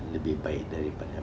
lebih baik daripada